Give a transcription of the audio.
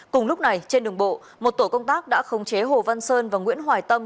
cùng lúc này trên đường bộ một tổ công tác đã khống chế hồ văn sơn và nguyễn hoài tâm